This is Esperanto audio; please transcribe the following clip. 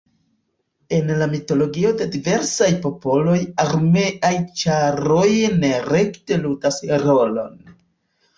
En la mitologio de diversaj popoloj armeaj ĉaroj nerekte ludas rolon.